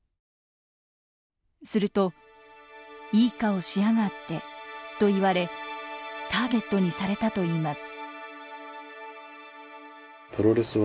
すると「いい顔しやがって」と言われターゲットにされたといいます。